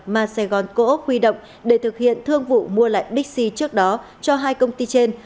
mà sài gòn coop huy động để thực hiện thương vụ mua lại bixi trước đó cho hai công ty trên